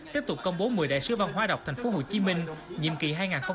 tiếp tục công bố một mươi đại sứ văn hóa đọc tp hcm nhiệm kỳ hai nghìn hai mươi hai nghìn hai mươi năm